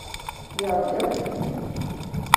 Yeṛja-kem.